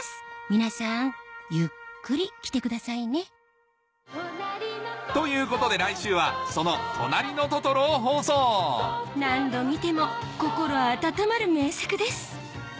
皆さんゆっくり来てくださいねということで来週はその『となりのトトロ』を放送何度見ても心温まる名作です